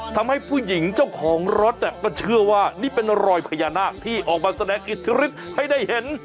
ทำให้ผู้หญิงเจ้าของรถก็เชื่อว่านี่เป็นรอยพญานาคที่ออกมาแสดงอิทธิฤทธิ์ให้ได้เห็น